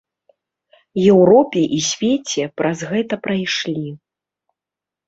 Еўропе і свеце праз гэта прайшлі.